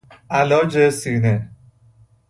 علاج سینه